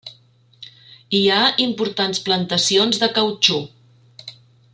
Hi ha importants plantacions de cautxú.